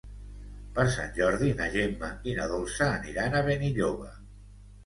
Per Sant Jordi na Gemma i na Dolça aniran a Benilloba.